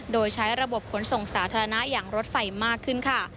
โดยใช้ระบบขนส่งสาธารณะอย่างรถไฟมากขึ้นค่ะ